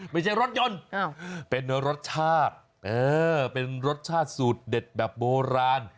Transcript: ไม่ใช่รถยนต์เป็นรสชาติเป็นรสชาติสูตรเด็ดแบบโบราณ